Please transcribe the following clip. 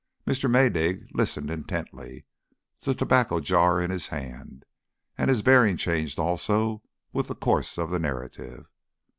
Mr. Maydig listened intently, the tobacco jar in his hand, and his bearing changed also with the course of the narrative.